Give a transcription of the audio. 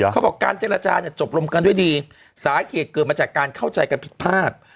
เค้าบอกการเจฬจาจบรมกันด้วยดีสาเหลี่ยเกือบมาจากการเข้าใจกันผิดภาพ